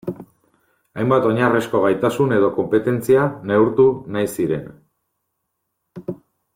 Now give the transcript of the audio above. Hainbat oinarrizko gaitasun edo konpetentzia neurtu nahi ziren.